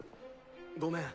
ごめん。